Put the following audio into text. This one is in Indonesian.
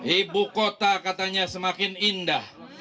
ibu kota katanya semakin indah